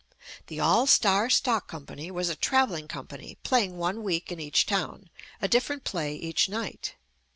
''The All Star Stock Company" was a travelling com pany playing one week in each town, a differ ent play each night.